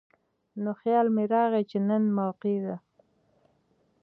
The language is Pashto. نو خيال مې راغے چې نن موقع ده ـ